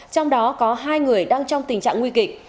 trong đó có hai người đang trong tình trạng nguy kịch